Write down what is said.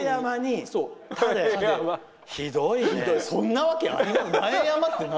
そんなわけある？